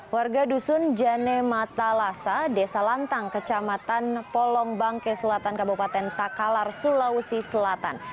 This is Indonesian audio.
warga dusun jane matalasa desa lantang kecamatan polong bangke selatan kabupaten takalar sulawesi selatan